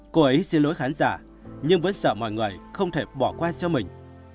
cô ấy xin lỗi khán giả nhưng vẫn sợ mọi người không thể bỏ qua cho mình